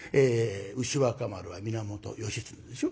牛若丸は源義経でしょ？